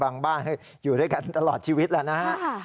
หรือไม่บางบ้านอยู่ด้วยกันตลอดชีวิตแล้วนะฮะ